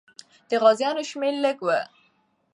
د غازیانو شمېر لږ وو.